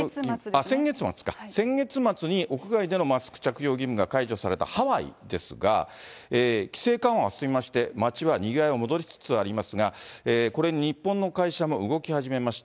先月末か、先月末に屋外でのマスク着用義務が解除されたハワイですが、規制緩和が進みまして、街はにぎわいが戻りつつありますが、これに日本の会社も動き始めました。